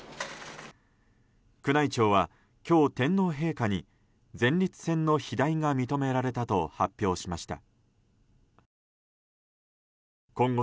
宮内庁は今日、天皇陛下に前立腺の肥大が認められたと発表しました。